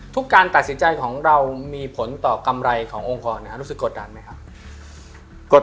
การตัดสินใจของเรามีผลต่อกำไรขององค์กรรู้สึกกดดันไหมครับ